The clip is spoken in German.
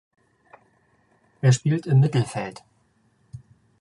Er spielt im Mittelfeld.